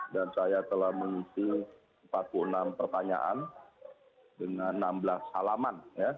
dan saya telah mengisi empat puluh enam pertanyaan dengan enam belas halaman